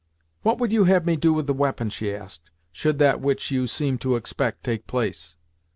"What would you have me do with the weapon," she asked, "should that which you seem to expect take place?"